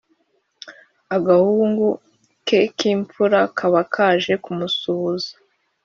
agahungu ke k’imfura kaba kaje kumusuhuza